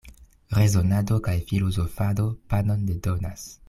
Rezonado kaj filozofado panon ne donas.